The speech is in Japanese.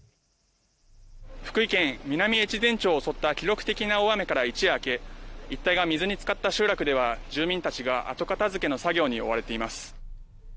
福井県南越前町を襲った記録的な大雨から一夜明け一帯が水につかった集落では、住民たちが後片づけの作業に追われています。